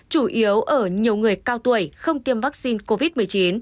chủ yếu ở nhiều người cao tuổi không tiêm vắc xin covid một mươi chín